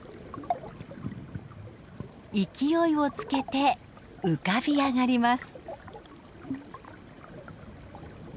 勢いをつけて浮かび上がります。